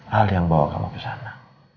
hal yang bawa kamu ke sana